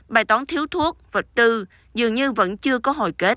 bài toán thiếu thuốc vật tư dường như vẫn chưa có hồi kết